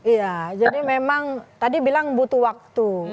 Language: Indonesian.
iya jadi memang tadi bilang butuh waktu